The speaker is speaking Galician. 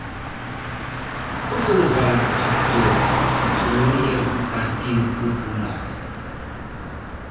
¿Por que non falan co sector, señorías do Partido Popular?